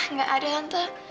nggak ada tante